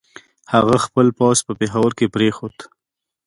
هغه خپل پوځ په پېښور کې پرېښود.